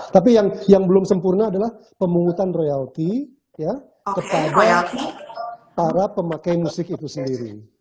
tapi yang belum sempurna adalah pemungutan royalti kepada para pemakai musik itu sendiri